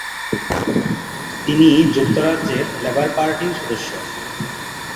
তিনি যুক্তরাজ্যের লেবার পার্টির সদস্য।